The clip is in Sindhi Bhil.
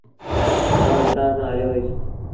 آئوٚݩ هتآݩ کآݩ هليو وهيٚس۔